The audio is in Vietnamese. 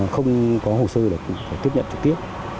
không có hồ sơ để tiếp nhận trực tiếp